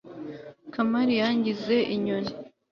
kamari yangize inyoni